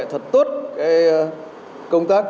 thật tốt công tác